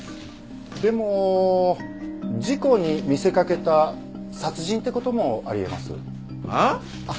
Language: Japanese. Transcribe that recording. でも事故に見せかけた殺人って事もあり得ます。ああ？